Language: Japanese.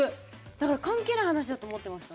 だから関係ない話だと思ってました。